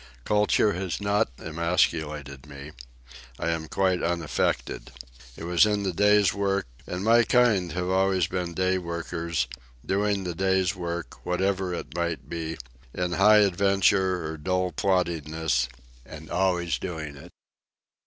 Culture has not emasculated me. I am quite unaffected. It was in the day's work, and my kind have always been day workers, doing the day's work, whatever it might be, in high adventure or dull ploddingness, and always doing it.